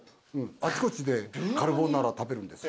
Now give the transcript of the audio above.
あちこちでカルボナーラ食べるんです。